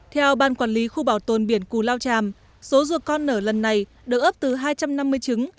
theo ban quản lý khu bảo tồn biển cù lao tràm số rùa con nở lần này được ấp từ hai trăm năm mươi trứng